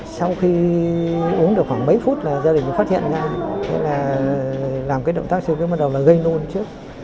sau khi uống được khoảng mấy phút là gia đình mới phát hiện ra là làm cái động tác sử dụng bắt đầu là gây nôn trước